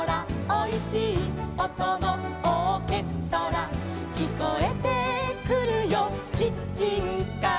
「おいしいおとのオーケストラ」「きこえてくるよキッチンから」